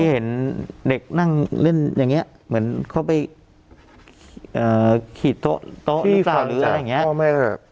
เห็นเด็กนั่งเล่นอย่างนี้เหมือนเขาไปขีดโต๊ะหรือเปล่าหรืออะไรอย่างนี้